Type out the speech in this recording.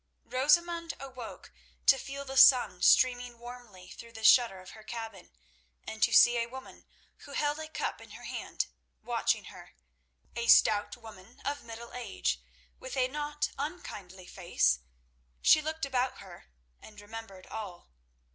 Rosamund awoke to feel the sun streaming warmly through the shutter of her cabin, and to see a woman who held a cup in her hand, watching her—a stout woman of middle age with a not unkindly face. She looked about her and remembered all.